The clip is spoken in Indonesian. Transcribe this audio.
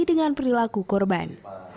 dengan perilaku korban